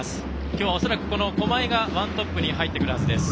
今日は恐らく駒井がワントップに入ってくるはずです。